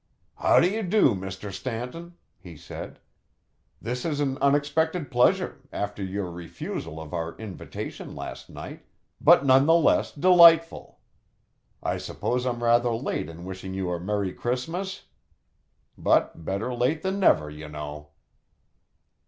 "How do you do, Mr. Stanton?" he said. "This is an unexpected pleasure, after your refusal of our invitation last night, but none the less delightful. I suppose I'm rather late in wishing you a merry Christmas? But better late than never, you know!"